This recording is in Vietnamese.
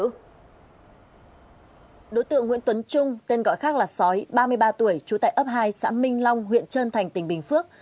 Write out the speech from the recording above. đối tượng nguyễn tuấn trung tên gọi khác là sói ba mươi ba tuổi trú tại ấp hai xã minh long huyện trơn thành tỉnh bình phước